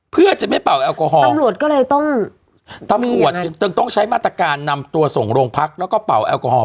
เพื่อจะไม่เป่าแอลกอฮอลตำรวจก็เลยต้องตำรวจจึงต้องใช้มาตรการนำตัวส่งโรงพักแล้วก็เป่าแอลกอฮอล